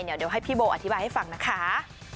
เดี๋ยวให้พี่โบอธิบายให้ฟังนะคะ